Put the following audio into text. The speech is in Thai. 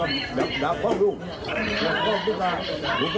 นี่ครับเด็กกิ๊กครับหยับฟ้าวิว